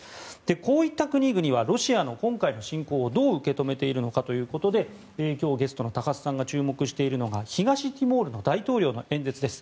こういった国々はロシアの今回の侵攻をどう受け止めているのかということで今日、ゲストの高須さんが注目しているのが東ティモールの大統領の演説です。